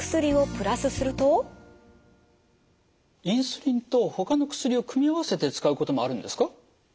インスリンと他の薬を組み合わせて使うこともあるんですか？